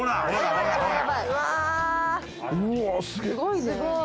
すごいね。